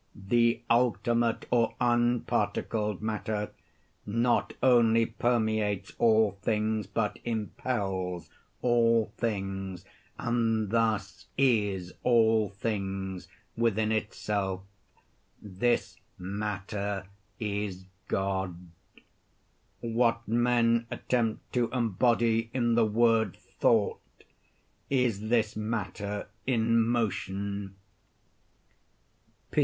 The ultimate, or unparticled matter, not only permeates all things but impels all things; and thus is all things within itself. This matter is God. What men attempt to embody in the word "thought," is this matter in motion.